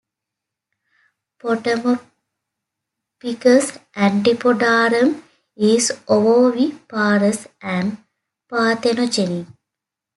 "Potamopyrgus antipodarum" is ovoviviparous and parthenogenic.